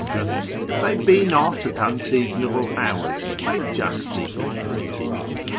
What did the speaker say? if they be not at unseasonable hours, may justly be permitted.